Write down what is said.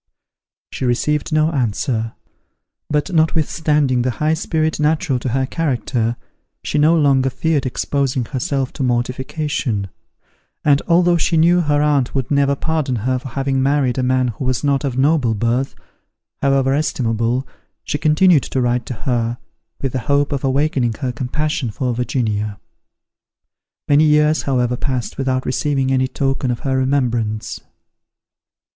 She received no answer; but notwithstanding the high spirit natural to her character, she no longer feared exposing herself to mortification; and, although she knew her aunt would never pardon her for having married a man who was not of noble birth, however estimable, she continued to write to her, with the hope of awakening her compassion for Virginia. Many years, however passed without receiving any token of her remembrance.